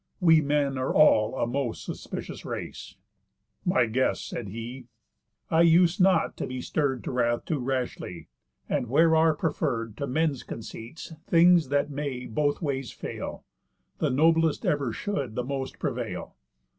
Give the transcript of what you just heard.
We men are all a most suspicious race." "My guest," said he, "I use not to be stirr'd To wrath too rashly; and where are preferr'd To men's conceits things that may both ways fail, The noblest ever should the most prevail.